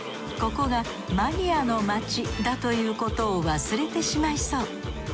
ここがマニアの街だということを忘れてしまいそう。